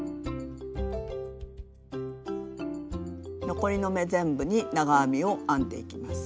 残りの目全部に長編みを編んでいきます。